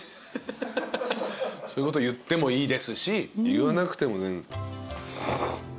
ハハハそういうこと言ってもいいですし言わなくても。